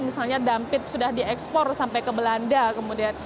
misalnya dampit sudah diekspor sampai ke belanda kemudian